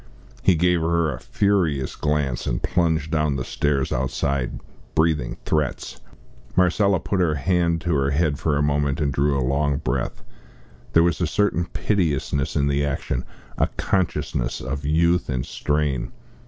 He gave her a furious glance, and plunged down the stairs outside, breathing threats. Marcella put her hand to her head a moment, and drew a long breath. There was a certain piteousness in the action, a consciousness of youth and strain.